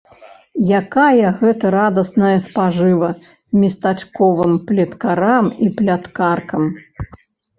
Якая гэта радасная спажыва местачковым плеткарам і пляткаркам!